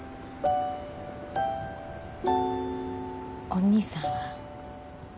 お兄さんは？